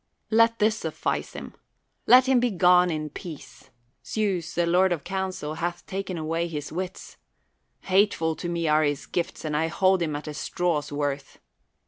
Let this suffice him. Let him begone in peace; Zeus, the lord of counsel, hath taken away his wits. Hateful to me are his gifts, and I hold him at a straw's worth.